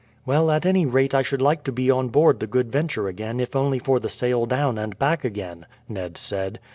"Well, at any rate I should like to be on board the Good Venture again if only for the sail down and back again," Ned said.